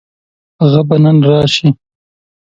هغه به نن راشي.